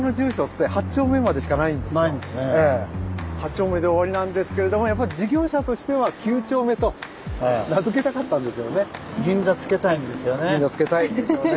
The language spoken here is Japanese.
実は８丁目で終わりなんですけれどもやっぱ事業者としては「９丁目」と名付けたかったんでしょうね。